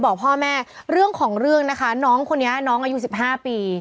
บอกพ่อแม่เรื่องของเรื่องนะคะน้องคนนี้น้องอายุ๑๕ปี